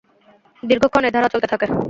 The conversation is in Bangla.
দীর্ঘক্ষণ এ ধারা চলতে থাকে।